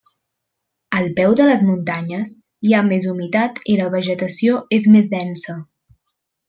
Al peu de les muntanyes hi ha més humitat i la vegetació és més densa.